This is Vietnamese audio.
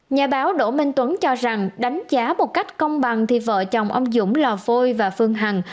nhà báo đỗ minh tuấn cho rằng đánh giá một cách công bằng thì vợ chồng ông dũng lò phôi và phương hằng